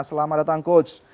selamat datang coach